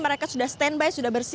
mereka sudah stand by sudah bersih